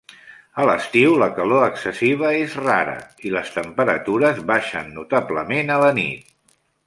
A l'estiu, la calor excessiva és rara i les temperatures baixen notablement a la nit.